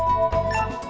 mình nhân tính